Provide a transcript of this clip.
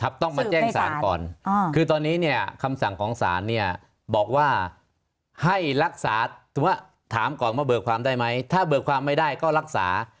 ต้องมาแจ้งศาลก่อนคือตอนนี้เนี่ยคำสั่งของศาลเนี่ยบอกว่าให้รักษาสมมุติถามก่อนว่าเบิกความได้ไหมถ้าเบิกความไม่ได้ก็รักษา